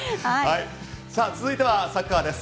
続いてはサッカーです。